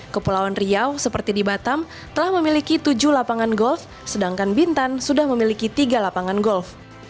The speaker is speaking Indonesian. kepulauan riau seperti di batam telah memiliki tujuh lapangan golf sedangkan bintan sudah memiliki tiga lapangan golf